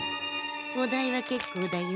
お代は結構だよ。